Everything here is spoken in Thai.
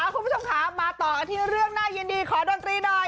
คุณผู้ชมค่ะมาต่อกันที่เรื่องน่ายินดีขอดนตรีหน่อย